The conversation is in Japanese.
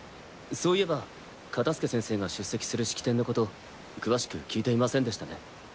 そういえばカタスケ先生が出席する式典のこと詳しく聞いていませんでしたね。